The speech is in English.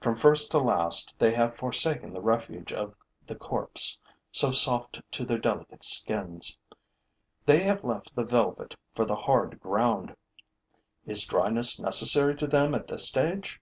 From first to last, they have forsaken the refuge of the corpse, so soft to their delicate skins; they have left the velvet for the hard ground. Is dryness necessary to them at this stage?